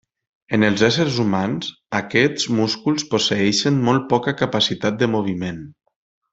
En els éssers humans aquests músculs posseeixen molt poca capacitat de moviment.